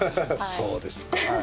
そうですか。